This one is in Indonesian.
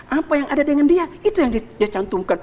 apa yang ada dengan dia itu yang dicantumkan